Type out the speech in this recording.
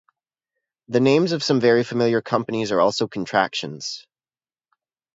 The names of some very familiar companies are also contractions.